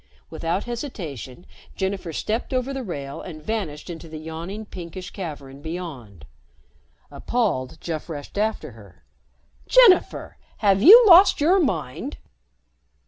Without hesitation, Jennifer stepped over the rail and vanished into the yawning pinkish cavern beyond. Appalled, Jeff rushed after her. "Jennifer! Have you lost your mind?"